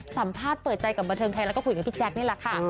สัมภาษณ์เปิดใจกับบันเทิงไทยรัฐแล้วก็คุยกับพี่แจ๊คนี่แหละค่ะ